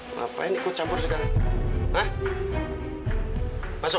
ngapain ikut campur sekarang